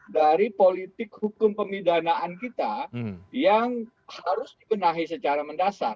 dari politik hukum pemidanaan kita yang harus dibenahi secara mendasar